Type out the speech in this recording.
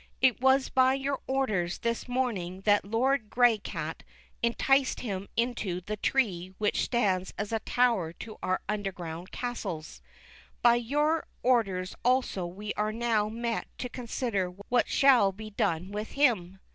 It was by your orders this morn ing that Lord Graycat enticed him into the tree which stands as a tower to our underground castles ; by your orders also we are now met to consider what shall be done with him."